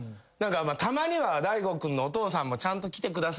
「たまには大悟君のお父さんもちゃんと来てください」みたいな。